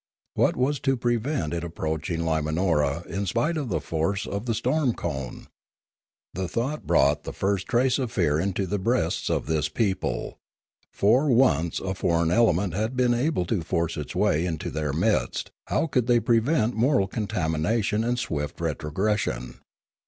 What was to prevent it approaching Limanora in spite of the force of the storm cone? The thought brought the first trace of fear into the breasts of this people; for, once a foreign element had been able to force its way into their midst, how could they prevent moral contamina tion and swift retrogression?